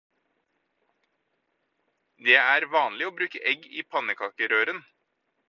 Det er vanlig å bruke egg i pannekakerøren.